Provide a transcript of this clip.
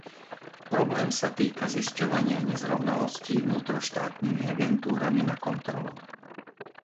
Problém sa týka zisťovania nezrovnalostí vnútroštátnymi agentúrami na kontrolu.